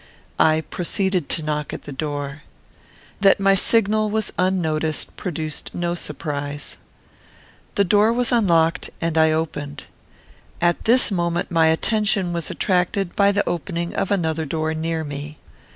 I proceeded to knock at the door. That my signal was unnoticed produced no surprise. The door was unlocked, and I opened. At this moment my attention was attracted by the opening of another door near me.